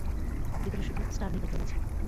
ভিতরে শুধু star makeup room আছে।